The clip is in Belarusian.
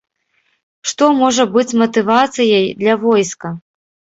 Што можа быць матывацыяй для войска?